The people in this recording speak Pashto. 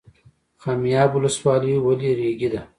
خمیاب ولسوالۍ ولې ریګي ده؟